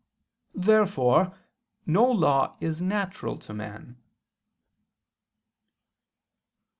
Therefore no law is natural to man.